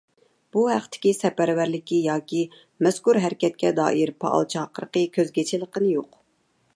بۇ ھەقتىكى سەپەرۋەرلىكى ياكى مەزكۇر ھەرىكەتكە دائىر پائال چاقىرىقى كۆزگە چېلىققىنى يوق.